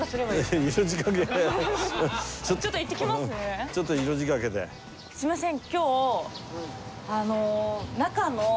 すみません。